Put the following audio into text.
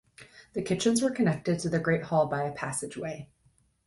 The kitchens were connected to the great hall by a passageway.